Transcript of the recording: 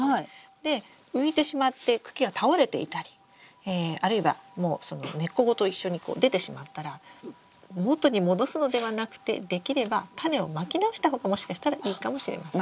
で浮いてしまって茎が倒れていたりあるいはもうその根っこごと一緒に出てしまったら元に戻すのではなくてできればタネをまき直した方がもしかしたらいいかもしれません。